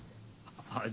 はい。